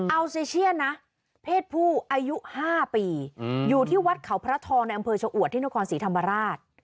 เอาซิเชื่อนะเภทผู้อายุ๕ปีอยู่ที่วัดเข่าพระทรในอำเภอจะอวัดที่นครศรีธรรมลาศ